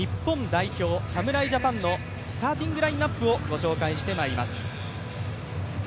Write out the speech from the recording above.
日本代表、侍ジャパンのスターティングラインナップをご紹介していきます。